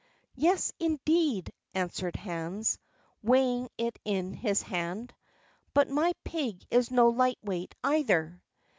"Yes, indeed!" answered Hans, weighing it in his hand; "but my pig is no light weight, either."